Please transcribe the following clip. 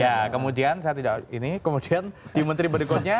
ya kemudian saya tidak ini kemudian di menteri berikutnya